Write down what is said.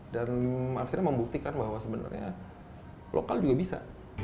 dan akhirnya membuktikan bahwa sebenarnya lokal juga bisa